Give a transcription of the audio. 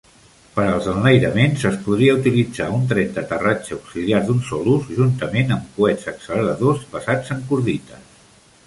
Per als enlairaments, es podria utilitzar un tren d'aterratge auxiliar d'un sol ús, juntament amb coets acceleradors basats en cordites.